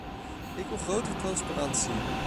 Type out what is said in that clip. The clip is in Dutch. Ik wil grote transparantie.